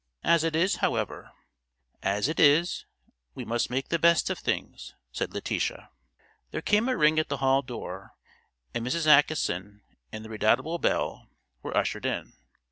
As it is, however——" "As it is, we must make the best of things," said Letitia. There came a ring at the hall door, and Mrs. Acheson and the redoubtable Belle were ushered in.